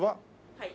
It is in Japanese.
はい。